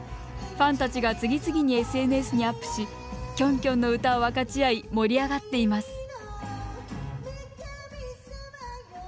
ファンたちが次々にＳＮＳにアップしキョンキョンの歌を分かち合い盛り上がっています。